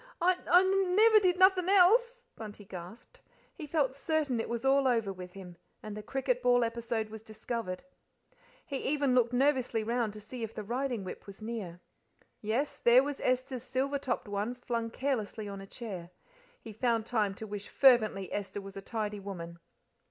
"I n n never did n nothin' else," Bunty gasped. He felt certain it was all over with him, and the cricket ball episode was discovered. He even looked nervously round to see if the riding whip was near. Yes, there was Esther's silver topped one flung carelessly on a chair. He found time to wish fervently Esther was a tidy woman.